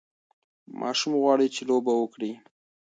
ماشوم غواړي چې لوبه وکړي.